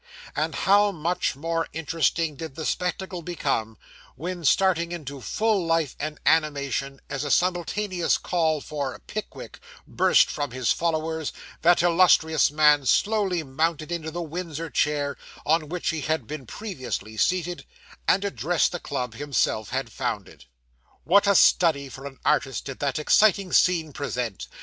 And how much more interesting did the spectacle become, when, starting into full life and animation, as a simultaneous call for 'Pickwick' burst from his followers, that illustrious man slowly mounted into the Windsor chair, on which he had been previously seated, and addressed the club himself had founded. What a study for an artist did that exciting scene present!